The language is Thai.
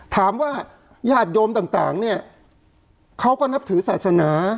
ถามว่ายาดโยมต่างต่างเนี่ยเขาก็นับถือศาสนา